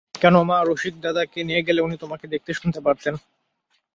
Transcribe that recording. কেন মা, রসিকদাদাকে নিয়ে গেলে উনি তোমাকে দেখতে শুনতে পারতেন।